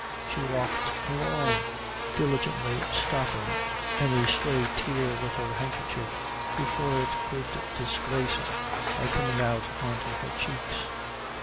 She walked along, diligently stopping any stray tear with her handkerchief before it could disgrace her by coming out on to her cheeks.